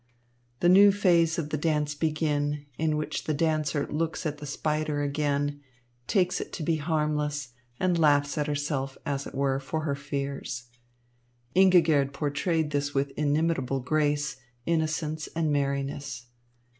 The new phase of the dance began, in which the dancer looks at the spider again, takes it to be harmless, and laughs at herself, as it were, for her fears. Ingigerd portrayed this with inimitable grace, innocence and merriness.